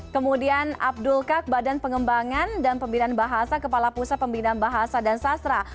kemudian abdul kak badan pengembangan dan pembinaan bahasa kepala pusat pembinaan bahasa dan sastra